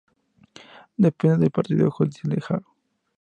Depende del partido judicial de Haro.